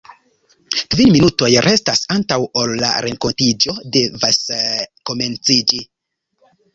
Kvin minutoj restas antaŭ ol la renkontiĝo devas komenciĝi.